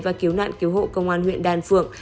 và cứu nạn cứu hộ công an huyện đan phượng